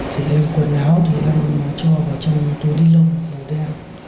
thì em quần áo thì em cho vào trong túi linh lông dưới đèn